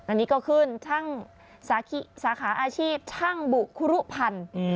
อันนี้ก็ขึ้นช่างสาขาอาชีพช่างบุครุพันธ์